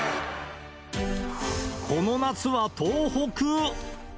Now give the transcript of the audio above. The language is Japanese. この夏は東北。